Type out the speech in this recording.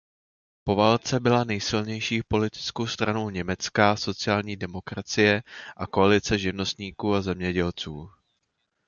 Po válce byla nejsilnější politickou stranou německá sociální demokracie a koalice živnostníků a zemědělců.